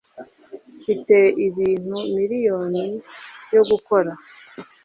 mfite ibintu miriyoni yo gukora